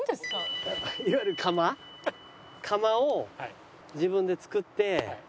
いわゆる窯窯を自分で作って。